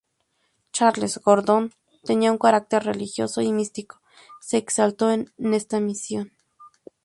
Charles Gordon tenía un carácter religioso y místico; se exaltó en esta misión.